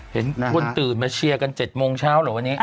เห็นคนตื่นมาเชียร์กัน๗โมงเช้าเหรอวันนี้